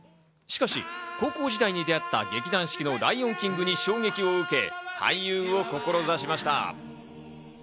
しかし高校時代に出会った劇団四季の『ライオンキング』に衝撃を受け、俳優を志しました。